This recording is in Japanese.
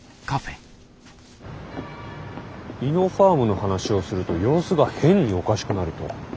イノファームの話をすると様子が変におかしくなると。